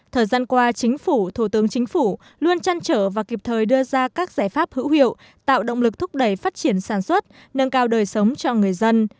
thời gian qua chính phủ thủ tướng chính phủ luôn chăn trở và kịp thời đưa ra các giải pháp hữu hiệu tạo động lực thúc đẩy phát triển sản xuất nâng cao đời sống cho người dân